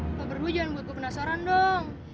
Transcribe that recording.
kalau berhujan buat gue penasaran dong